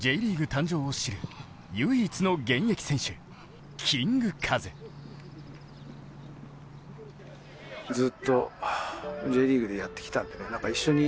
誕生を知る唯一の現役選手、キングカズ。